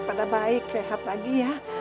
pada baik sehat lagi ya